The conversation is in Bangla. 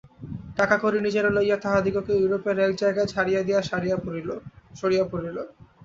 টাকাকড়ি নিজেরা লইয়া তাহাদিগকে ইউরোপের এক জায়গায় ছাড়িয়া দিয়া সরিয়া পড়িল।